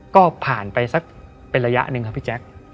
ก็ผ่านไปสักเป็นระยะหนึ่งครับพี่แจ๊ค